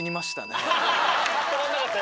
止まんなかった？